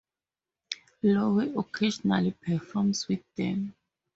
Lowe occasionally performs with them.